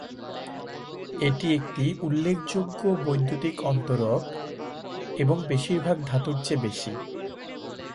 এটি একটি উল্লেখযোগ্য বৈদ্যুতিক অন্তরক এবং বেশিরভাগ ধাতুর চেয়ে বেশি।